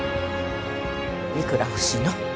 いくら欲しいの？